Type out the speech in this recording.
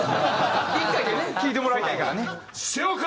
１回でね聞いてもらいたいからね。